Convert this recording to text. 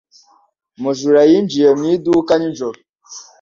Umujura yinjiye mu iduka nijoro.